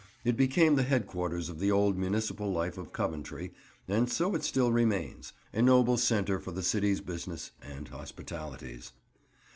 It became the headquarters of the old municipal life of Coventry, and so it still remains; a noble centre for the city's business and hospitalities.